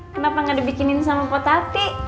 kenapa gak dibikinin sama potati